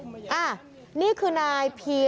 เพราะถูกทำร้ายเหมือนการบาดเจ็บเนื้อตัวมีแผลถลอก